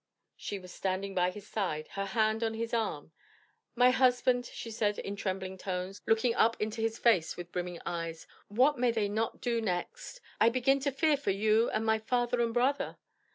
She was standing by his side, her hand on his arm. "My husband," she said in trembling tones, looking up into his face with brimming eyes, "what may they not do next? I begin to fear for you and my father and brother."